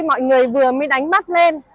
mọi người vừa mới đánh mắt lên